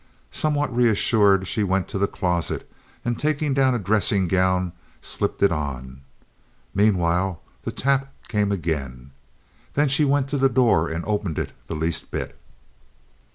Somewhat reassured, she went to the closet, and taking down a dressing gown, slipped it on. Meanwhile the tap came again. Then she went to the door and opened it the least bit.